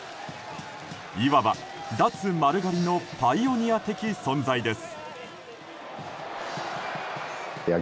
いわば、脱丸刈りのパイオニア的存在です。